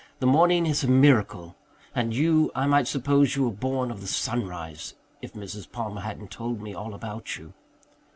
The morning is a miracle and you, I might suppose you were born of the sunrise, if Mrs. Palmer hadn't told me all about you."